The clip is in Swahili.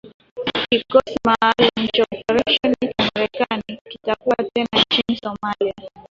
kikosi maalum cha operesheni cha Marekani kitakuwa tena nchini Somalia